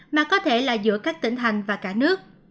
mà có thể là giữa các tỉnh thành và cả nước